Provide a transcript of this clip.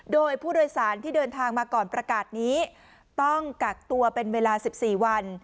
โดยผู้โดยสารที่เดินทางมาก่อนประกาศนี้ต้องกักตัวเป็นเวลา๑๔วัน